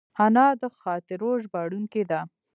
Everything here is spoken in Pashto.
انا د خاطرو ژباړونکې ده